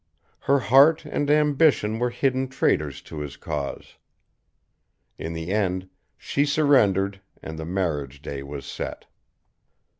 Her heart and ambition were hidden traitors to his cause. In the end she surrendered and the marriage day was set.